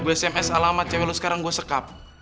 gue sms alamat cewe lo sekarang gue sekap